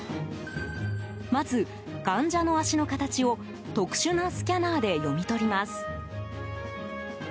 まず、患者の足の形を特殊なスキャナーで読み取ります。